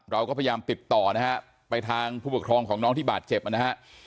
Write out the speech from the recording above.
เราก็พยายามติดต่อนะฮะไปทางผู้ปกครองของน้องที่บาดเจ็บนะฮะ